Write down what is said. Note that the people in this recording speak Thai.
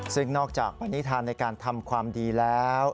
ซึ่งนอกจากปณิธานในการทำความดีแล้ว